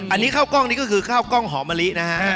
อันนี้ข้าวกล้องนี่ก็คือข้าวกล้องหอมมะลินะฮะ